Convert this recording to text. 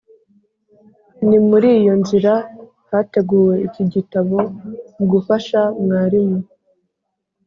ni muri iyo nzira hateguwe iki gitabo mugufasha mwarimu,